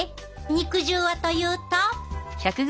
肉汁はというと。